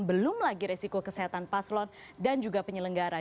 belum lagi resiko kesehatan paslon dan juga penyelenggara